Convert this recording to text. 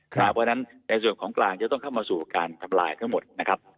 เพราะฉะนั้นในส่วนของกลางจะต้องเข้ามาสู่การทำลายทั้งหมดนะครับ